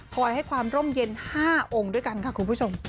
ให้ความร่มเย็น๕องค์ด้วยกันค่ะคุณผู้ชม